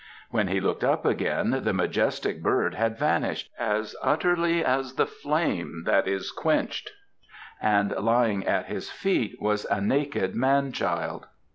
When he looked up again the majestic bird had vanished as utterly as the flame that is quenched, and lying at his feet was a naked man child.